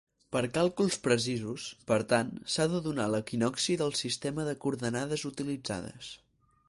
Per càlculs precisos, per tant, s'ha de donar l'equinocci del sistema de coordenades utilitzades.